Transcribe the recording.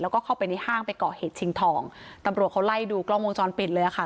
แล้วก็เข้าไปในห้างไปก่อเหตุชิงทองตำรวจเขาไล่ดูกล้องวงจรปิดเลยค่ะ